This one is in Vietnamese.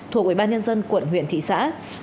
thuộc ubnd quận huyện thị xã